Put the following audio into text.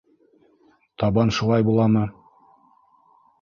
— Табан шулай буламы?